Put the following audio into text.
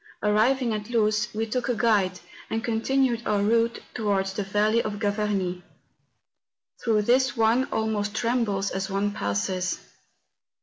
Arriving at Luz, we took a guide, and continued our route towards the valley of Gravarnie. Through this one almost trembles as one passes.